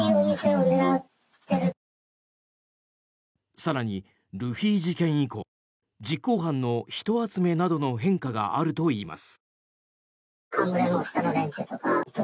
更に、ルフィ事件以降実行犯の人集めなどの変化があるといいます。